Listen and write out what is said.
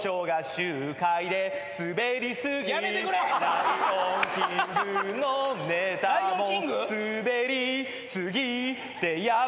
「『ライオンキング』のネタもスベり過ぎてヤバかった」